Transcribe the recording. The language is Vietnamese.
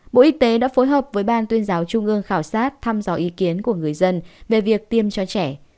bộ y tế đã phối hợp với ban tuyên giáo trung ương khảo sát thăm dò ý kiến của người dân về việc tiêm cho trẻ